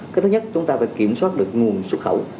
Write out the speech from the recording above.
cái thứ nhất chúng ta phải kiểm soát được nguồn xuất khẩu